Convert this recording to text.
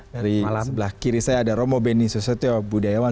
dari sebelah kiri saya ada romo beni susetio budayawan